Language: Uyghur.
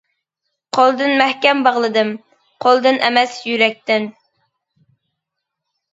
قولدىن مەھكەم باغلىدىم، قولدىن ئەمەس يۈرەكتىن!